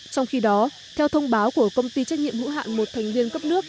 trong khi đó theo thông báo của công ty trách nhiệm hữu hạn một thành viên cấp nước